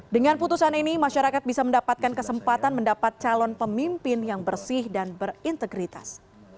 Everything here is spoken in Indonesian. dengan putusan ini masyarakat bisa mendapatkan kesempatan mendapat calon pemimpin yang bersih dan berintegritas